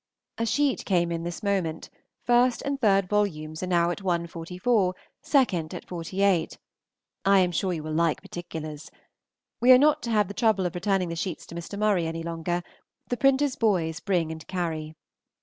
A sheet came in this moment; 1st and 3rd vols. are now at 144; 2nd at 48. I am sure you will like particulars. We are not to have the trouble of returning the sheets to Mr. Murray any longer; the printer's boys bring and carry.